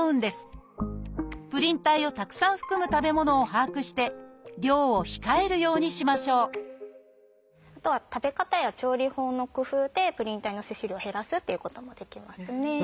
プリン体をたくさん含む食べ物を把握して量を控えるようにしましょうあとは食べ方や調理法の工夫でプリン体の摂取量を減らすっていうこともできますね。